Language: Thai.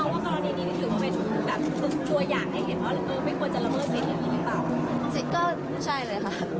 ไม่ได้เลยค่ะรู้จักแล้วค่ะ